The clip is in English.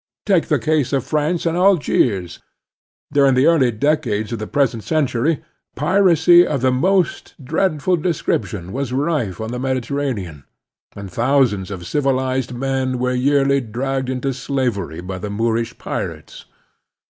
Take the case of France and Algiers. During the early decades of the present century piracy of the most dreadful description was rife on the Mediterranean, and thousands of civilized men were yeariy dragged into slavery by the Moorish pirates.